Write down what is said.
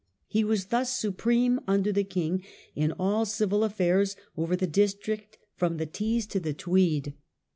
He was thus supreme, under the king, in all civil affairs over the district from the Tees to the Tweed.